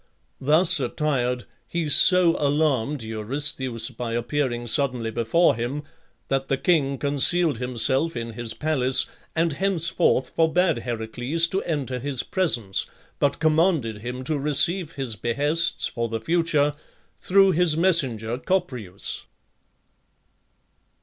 Thus attired, he so alarmed Eurystheus by appearing suddenly before him, that the king concealed himself in his palace, and henceforth forbade Heracles to enter his presence, but commanded him to receive his behests, for the future, through his messenger Copreus.